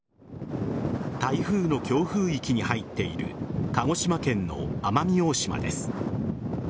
台風の強風域に入っている鹿児島県の奄美大島です。